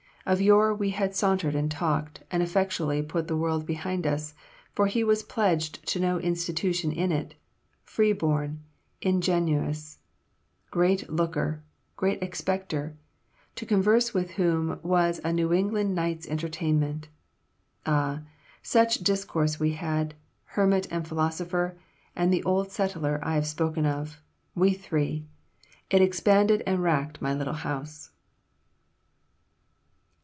Of yore we had sauntered and talked, and effectually put the world behind us; for he was pledged to no institution in it, freeborn, ingenuus. Great Looker! great Expecter! to converse with whom was a New England Night's Entertainment. Ah! such discourse we had, hermit and philosopher, and the old settler I have spoken of, we three, it expanded and racked my little house."